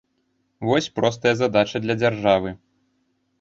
Вось простая задача для дзяржавы.